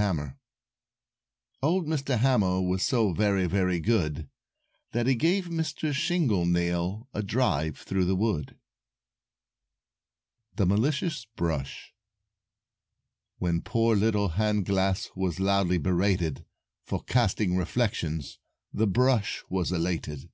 HAMMER Old Mr. Hammer Was so very, very good, That he gave Mr. Shingle Nail A drive through the wood. [Illustration: Obliging Mr. Hammer] THE MALICIOUS BRUSH When poor little Hand Glass Was loudly berated For casting reflections, The Brush was elated.